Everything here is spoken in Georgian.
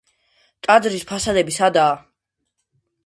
ტაძრის ფასადები სადაა.